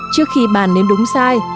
trước khi bàn đến đúng sai